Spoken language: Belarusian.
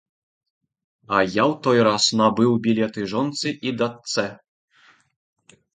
А я ў той раз набыў білеты жонцы і дачцэ.